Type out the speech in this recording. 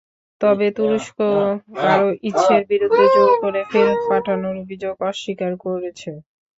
তবে তুরস্ক কারও ইচ্ছের বিরুদ্ধে জোর করে ফেরত পাঠানোর অভিযোগ অস্বীকার করেছে।